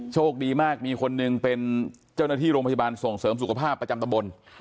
โชคดีมากมีคนหนึ่งเป็นเจ้าหน้าที่โรงพยาบาลส่งเสริมสุขภาพประจำตำบล